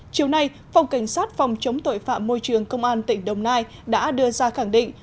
chiều nay phòng cảnh sát phòng chống tội phạm môi trường công an tỉnh đồng nai đã đưa ra khẳng định